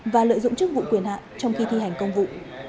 và lợi dụng chức vụ quyền hạn trong khi thi hành công vụ